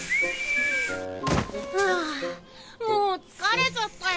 あもう疲れちゃったよ。